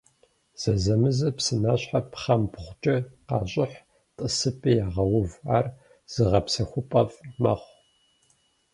Зэзэмызэ псынащхьэр пхъэмбгъукӀэ къащӀыхь, тӀысыпӀи ягъэув, ар зыгъэпсэхупӀэфӀ мэхъу.